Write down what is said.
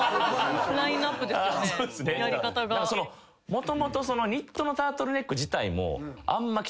もともとニットのタートルネック自体も。